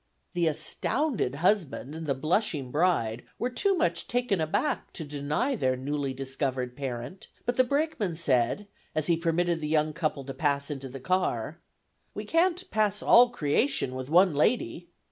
The astounded husband and the blushing bride were too much "taken aback" to deny their newly discovered parent, but the brakeman said, as he permitted the young couple to pass into the car: "We can't pass all creation with one lady."